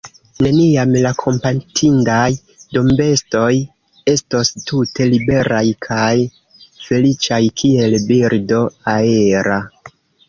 Neniam la kompatindaj dombestoj estos tute liberaj kaj feliĉaj kiel birdo aera.